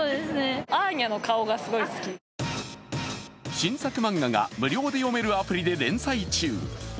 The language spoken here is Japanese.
新作漫画が無料で読めるアプリで連載中。